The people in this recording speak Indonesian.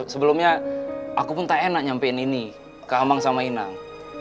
sebelumnya aku pun tak enak nyampein ini ke hamang sama inang